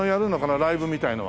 ライブみたいのは。